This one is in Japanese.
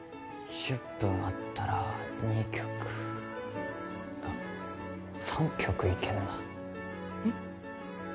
１０分あったら２曲あっ３曲いけんなえっ？